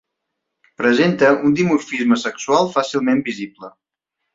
Presenta un dimorfisme sexual fàcilment visible.